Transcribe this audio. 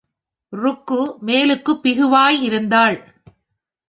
ருக்கு மேலுக்குப் பிகுவாய் இருந்தாள்.